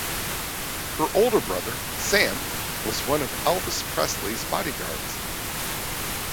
Her older brother, Sam, was one of Elvis Presley's bodyguards.